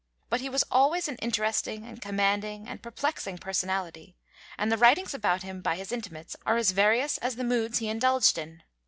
But he was always an interesting and commanding and perplexing personality, and the writings about him by his intimates are as various as the moods he indulged in.